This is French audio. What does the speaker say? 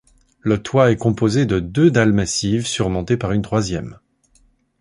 Le toit est composé de deux dalles massives surmontées par une troisième.